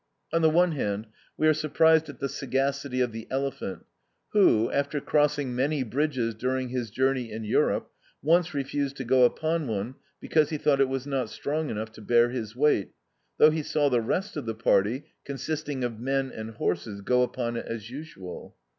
On the one hand, we are surprised at the sagacity of the elephant, who, after crossing many bridges during his journey in Europe, once refused to go upon one, because he thought it was not strong enough to bear his weight, though he saw the rest of the party, consisting of men and horses, go upon it as usual.